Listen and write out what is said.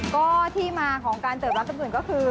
ก็ที่มาของการเติบรับจำอื่นก็คือ